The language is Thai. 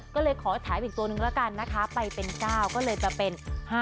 ก็เลยขอถามอีกตัวหนึ่งละกันนะคะไปเป็น๙ก็เลยเป็น๕๕๙